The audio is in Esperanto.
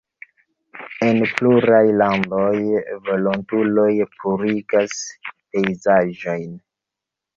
En pluraj landoj volontuloj purigas pejzaĝojn.